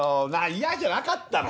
嫌じゃなかったの？